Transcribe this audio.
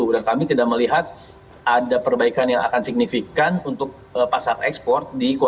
dan kami tidak melihat ada perbaikan yang akan signifikan untuk pasar ekspor di kuota tiga dan kuota empat